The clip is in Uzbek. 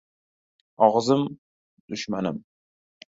• Og‘zim — dushmanim.